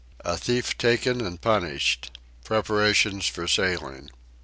A Thief taken and punished. Preparations for sailing.